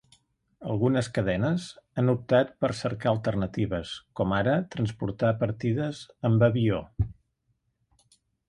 Algunes cadenes han optat per cercar alternatives, com ara transportar partides amb avió.